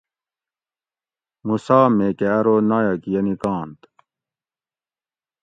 موسیٰ میکہ ارو نایٔک یہ نکانت